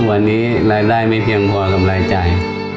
วันนี้รายได้ไม่เพียงพอกับรายจ่าย